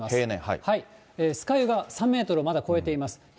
酸ヶ湯が３メートルまだ超えています。